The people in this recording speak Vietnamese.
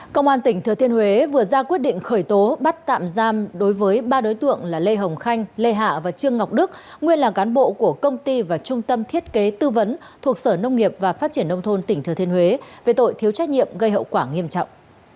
công an tỉnh thừa thiên huế vừa ra quyết định khởi tố bắt tạm giam đối với ba đối tượng là lê hồng khanh lê hạ và trương ngọc đức nguyên là cán bộ của công ty và trung tâm thiết kế tư vấn thuộc sở nông nghiệp và phát triển nông thôn tỉnh thừa thiên huế về tội thiếu trách nhiệm gây hậu quả nghiêm trọng